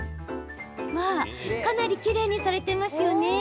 かなりきれいにされていますね。